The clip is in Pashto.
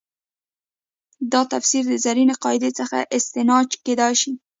دا تفسیر د زرینې قاعدې څخه استنتاج کېدای شي.